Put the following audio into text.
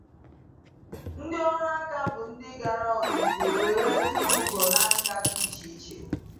Ndi ọrụ aka bụ ndi gara ọzụzụ were turu ugo na nka di iche iche.